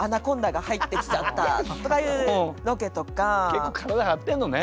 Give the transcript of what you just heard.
結構体張ってんのね。